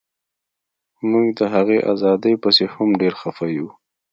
موږ د هغې ازادۍ پسې هم ډیر خفه یو